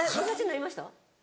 なりました。